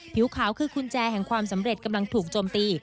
ผิวขาวคือกุญแจแห่งความสำเร็จกำลังถูกโจมตี